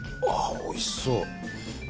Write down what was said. おいしそう。